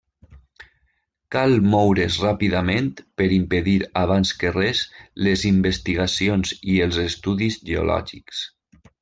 Cal moure's ràpidament per impedir abans que res les investigacions i els estudis geològics.